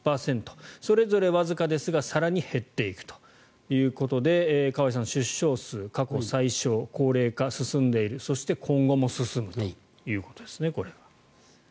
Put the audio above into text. それぞれわずかですが更に減っていくということで河合さん、出生数が過去最少、高齢化が進んでいるそして今後も進むということですね、これは。